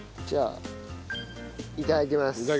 じゃあいただきます。